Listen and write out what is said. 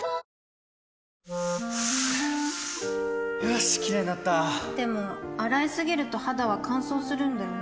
よしキレイになったでも、洗いすぎると肌は乾燥するんだよね